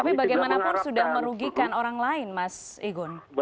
tapi bagaimanapun sudah merugikan orang lain mas igun